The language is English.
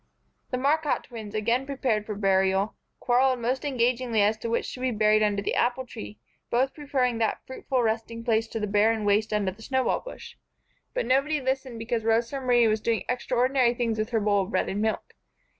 The Marcotte twins, again prepared for burial, quarrelled most engagingly as to which should be buried under the apple tree, both preferring that fruitful resting place to the barren waste under the snowball bush; but nobody listened because Rosa Marie was doing extraordinary things with her bowl of bread and milk.